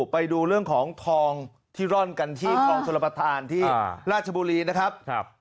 ไปดูเรื่องของทองที่ร่อนกันที่คลองชลประธานที่ราชบุรีนะครับ